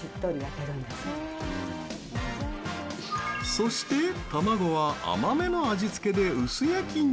そして卵は甘めの味付けで薄焼きに。